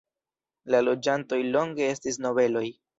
La loĝantoj longe estis nobeloj.